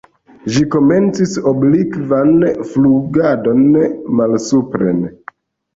Ĝi komencis oblikvan flugadon malsupren.